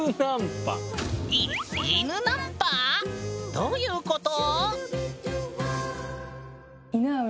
どういうこと？